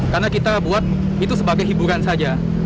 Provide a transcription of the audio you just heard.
karena kita buat itu sebagai hiburan saja